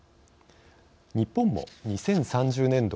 日本も２０３０年度